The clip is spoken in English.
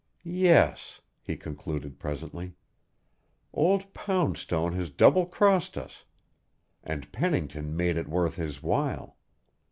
"Yes," he concluded presently, "old Poundstone has double crossed us and Pennington made it worth his while.